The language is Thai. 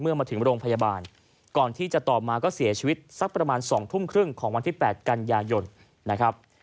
มาถึงโรงพยาบาลก่อนที่จะต่อมาก็เสียชีวิตสักประมาณ๒ทุ่มครึ่งของวันที่๘กันยายนนะครับ